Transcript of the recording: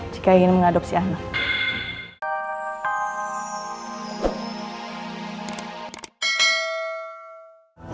jika ingin mengadopsi anak